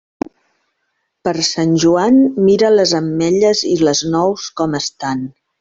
Per Sant Joan, mira les ametlles i les nous com estan.